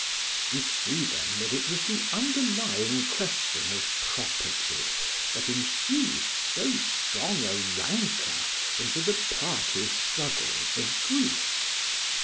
] We see then that it was the underlying question of property that infused so strong a rancour into the party struggles of Greece.